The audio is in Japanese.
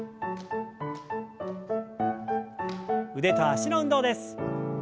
腕と脚の運動です。